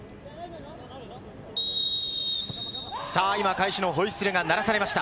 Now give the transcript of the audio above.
今、開始のホイッスルが鳴らされました。